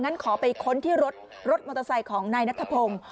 งั้นขอไปค้นที่รถรถมอเตอร์ไซค์ของนายนัทพงศ์